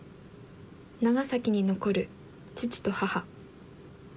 長崎に残る父と母。